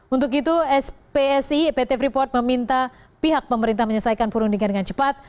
untuk itu spsi pt freeport meminta pihak pemerintah menyelesaikan perundingan dengan cepat